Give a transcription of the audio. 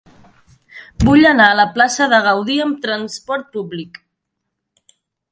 Vull anar a la plaça de Gaudí amb trasport públic.